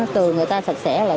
từ người ta sạch sẽ là